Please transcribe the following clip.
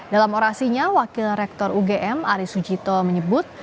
dalam orasinya wakil rektor ugm ari sujito menyebut